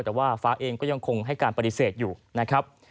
แต่ว่าฟ้าเองก็ยังคงให้การปฏิเสธอยู่นะครับ